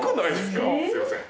すいません。